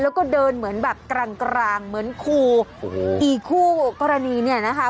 แล้วก็เดินเหมือนแบบกลางกลางเหมือนคู่โอ้โหอีกคู่กรณีเนี่ยนะคะ